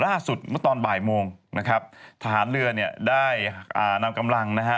ร่าสุดเมื่อตอนบ่ายโมงนะครับทหารเรือแหน่งได้นำกำลังนะฮะ